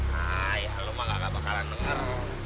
nah ya lo mah gak bakalan denger